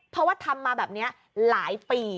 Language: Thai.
เพราะว่าทำมาแบบนี้หลายปี